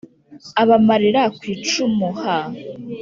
abamarira ku icumu ha!